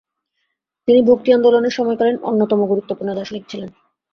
তিনি ভক্তি আন্দোলনের সময়কালীন অন্যতম গুরুত্বপূর্ণ দার্শনিক ছিলেন।